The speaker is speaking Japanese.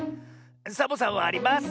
サボさんはあります！